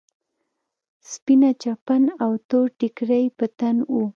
سپينه چپن او تور ټيکری يې په تن و.